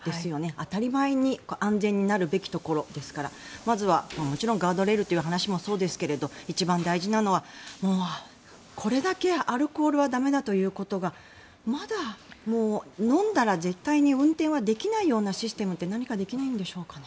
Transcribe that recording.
当たり前に安全になるべきところですからまずはもちろんガードレールという話もそうですけど一番大事なのはこれだけアルコールは駄目だということがまだ飲んだら絶対に運転はできないようなシステムって何かできないんでしょうかね。